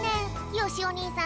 よしお兄さん